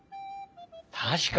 たしかに！